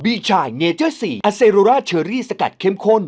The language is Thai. ชายเนเจอร์๔อเซโรราเชอรี่สกัดเข้มข้น